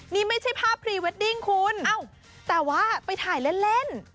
นี่ไม่ใช่ภาพพรีเวดดิ้งคุณเอ้าแต่ว่าไปถ่ายเล่น